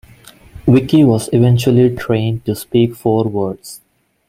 Vicki was eventually trained to speak four words.